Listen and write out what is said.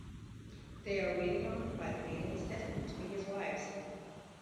They are waited on by the maidens destined to be his wives.